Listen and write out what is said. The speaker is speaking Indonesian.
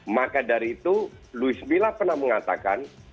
maka dari itu luis mila pernah mengatakan